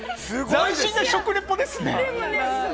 斬新な食リポですね。